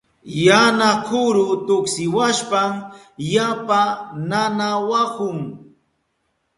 Yana kuru tuksiwashpan yapa nanawahun.